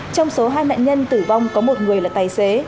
trong số hai nạn nhân tử vong có một người là tài xế